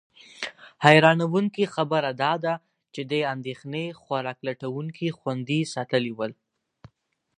حیرانونکې خبره دا ده چې دې اندېښنې خوراک لټونکي خوندي ساتلي ول.